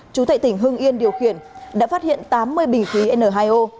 chủ tệ tỉnh hưng yên điều khiển đã phát hiện tám mươi bình khí n hai o